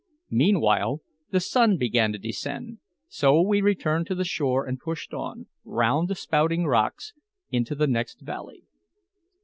Meanwhile the sun began to descend; so we returned to the shore and pushed on, round the spouting rocks, into the next valley.